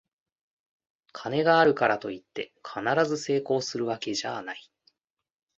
金があるからといって必ず成功するわけじゃない